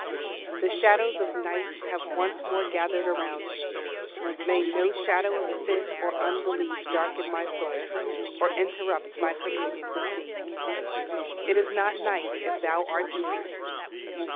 The shadows of night have once more gathered around me; may no shadow of sin or unbelief darken my soul, or interrupt my communion with Thee. "It is not night if Thou art near."